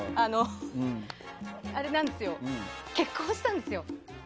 結婚したんですよ。